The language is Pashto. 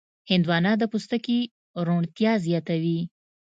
هندوانه د پوستکي روڼتیا زیاتوي.